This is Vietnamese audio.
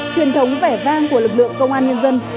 truyền thống vẻ vang của lực lượng công an nhân dân